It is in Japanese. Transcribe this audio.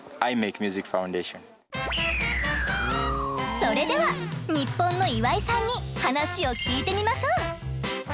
それではニッポンの岩井さんに話を聞いてみましょう！